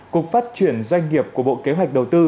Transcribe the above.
cục phát triển doanh nghiệp của bộ kế hoạch đầu tư